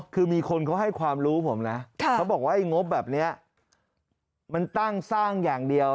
คือมีคนเขาให้ความรู้ผมนะเขาบอกว่าไอ้งบแบบนี้มันตั้งสร้างอย่างเดียว